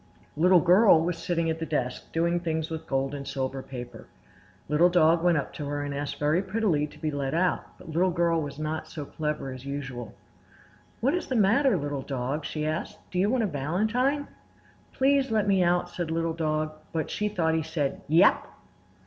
Little Girl was sitting at the desk, doing things with gold and silver paper. Little Dog went up to her and asked very prettily to be let out; but Little Girl was not so clever as usual. "What is the matter, Little Dog?" she asked. "Do you want a valentine?" "Please let me out!" said Little Dog; but she thought he said "Yap!"